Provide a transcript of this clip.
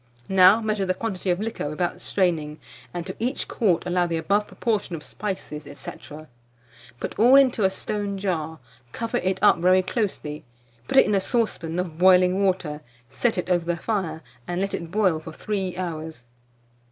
Now measure the quantity of liquor without straining, and to each quart allow the above proportion of spices, &c. Put all into a stone jar, cover it up very closely, put it in a saucepan of boiling water, set it over the fire, and let it boil for 3 hours.